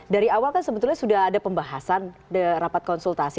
dari awal kan sebetulnya sudah ada pembahasan rapat konsultasi